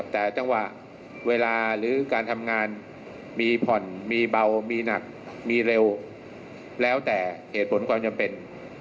แต่จังหวะเวลาหรือการทำงานมีผ่อนมีเบามีหนักมีเร็วแล้วแต่เหตุผลความจำเป็น